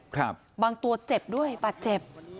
ครับบางตัวเจ็บด้วยปลาเจ็บ